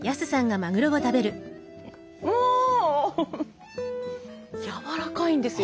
おやわらかいんですよ。